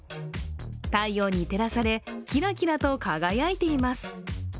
太陽に照らされキラキラと輝いています。